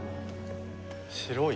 白い。